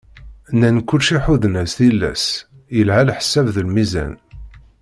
Nnan kulci ḥudden-as tilas, yelha leḥsab d lmizan.